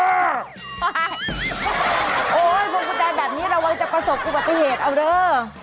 โอ้โฮพวกกุญแจแบบนี้ระวังจะประสบคุณปฏิเหตุเอาเลย